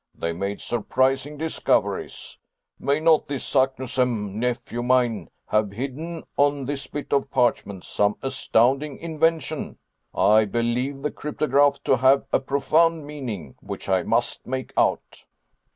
They made surprising discoveries. May not this Saknussemm, nephew mine, have hidden on this bit of parchment some astounding invention? I believe the cryptograph to have a profound meaning which I must make out."